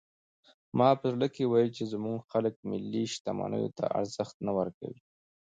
ما په زړه کې ویل چې زموږ خلک ملي شتمنیو ته ارزښت نه ورکوي.